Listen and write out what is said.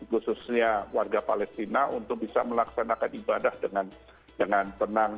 khususnya warga palestina untuk bisa melaksanakan ibadah dengan tenang